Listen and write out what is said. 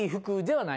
はい。